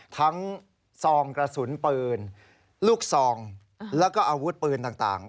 ซองกระสุนปืนลูกซองแล้วก็อาวุธปืนต่าง